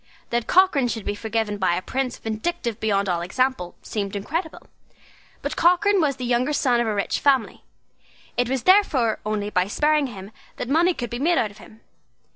That Cochrane should be forgiven by a prince vindictive beyond all example, seemed incredible. But Cochrane was the younger son of a rich family; it was therefore only by sparing him that money could be made out of him.